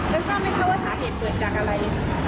แล้วก็ไม่เข้าใจว่าสาเหตุเกิดจากอะไร